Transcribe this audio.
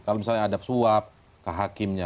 kalau misalnya ada suap ke hakimnya